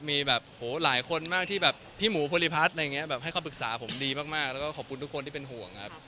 มีแบบโหหลายคนมากที่แบบพี่หมูภูริพัฒน์อะไรอย่างนี้แบบให้เขาปรึกษาผมดีมากแล้วก็ขอบคุณทุกคนที่เป็นห่วงครับ